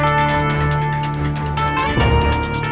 pergi ke dalam